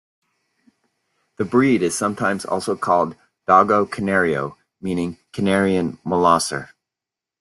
The breed is sometimes also called Dogo Canario, meaning "Canarian Molosser".